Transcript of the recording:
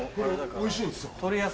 おいしいんっすよ。